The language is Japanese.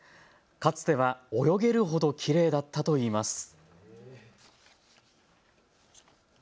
かつては泳げるほどきれいだったといいます。